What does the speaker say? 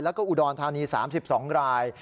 แล้วก็อุดรธานี๓๒ราย